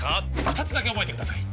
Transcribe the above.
二つだけ覚えてください